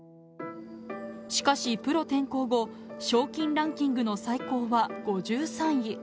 しかし、プロ転向後、賞金ランキングの最高は５３位。